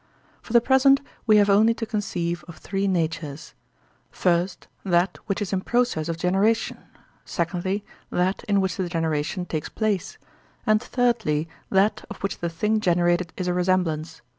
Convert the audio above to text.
For the present we have only to conceive of three natures: first, that which is in process of generation; secondly, that in which the generation takes place; and thirdly, that of which the thing generated is a resemblance.